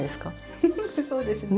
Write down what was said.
フフフそうですね。